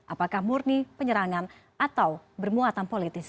apakah murni penyerangan atau bermuatan politis